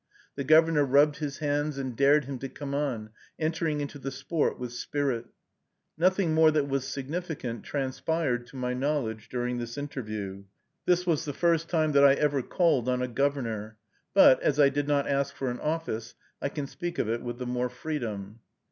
The Governor rubbed his hands and dared him to come on, entering into the sport with spirit. Nothing more that was significant transpired, to my knowledge, during this interview. This was the first time that I ever called on a governor, but, as I did not ask for an office, I can speak of it with the more freedom.